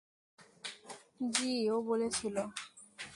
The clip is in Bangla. জি, ও বলেছিল।